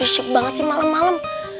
prisip banget sih malem malem